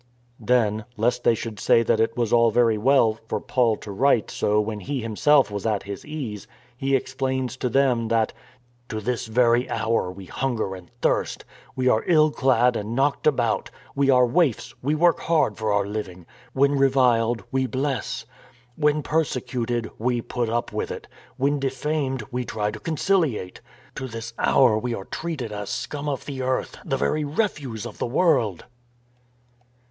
Then, lest they should say that it was all very well for Paul to write so when he himself was at his ease, he explains to them that: " To this very hour we hunger and thirst, we are ill clad and knocked about, we are waifs, we work hard for our living; when reviled, we bless; when persecuted, we put up with it; when defamed, we try to conciliate. To this hour we are treated as scum of the earth, the very refuse of the world